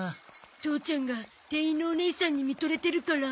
父ちゃんが店員のおねいさんに見とれてるから。